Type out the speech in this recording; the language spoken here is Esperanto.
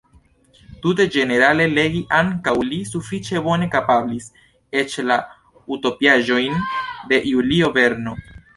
Tute ĝenerale legi ankaŭ li sufiĉe bone kapablis, eĉ la utopiaĵojn de Julio Verno.